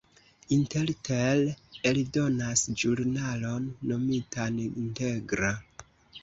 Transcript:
Intertel eldonas ĵurnalon nomitan "Integra".